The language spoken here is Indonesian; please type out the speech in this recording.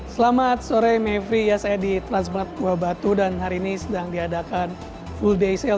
selamat sore mevri ya saya di transmart buah batu dan hari ini sedang diadakan full day sale